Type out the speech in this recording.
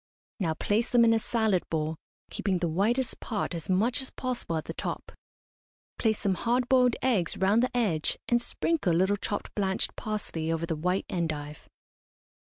Now place them in a salad bowl, keeping the whitest part as much as possible at the top. Place some hard boiled eggs round the edge, and sprinkle a little chopped blanched parsley over the white endive.